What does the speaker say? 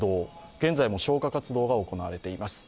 現在も消火活動が行われています。